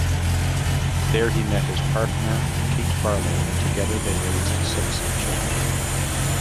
There he met his partner, Kate Barlow and together they raised six children.